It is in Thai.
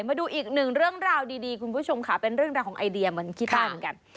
มาดูอีกหนึ่งเรื่องราวดีคุณผู้ชมค่ะเป็นเรื่องราวของไอเดียเหมือนขี้ตาเหมือนกัน